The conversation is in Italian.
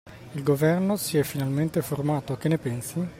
Il governo si è finalmente formato, che ne pensi?